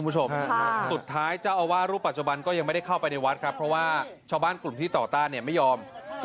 ลาโยมเปิดประตูหน่อยสิ